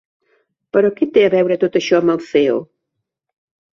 Però que té a veure tot això amb el CEO?